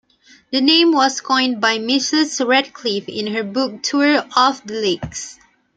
The name was coined by Mrs. Radcliffe in her book 'Tour of the Lakes'.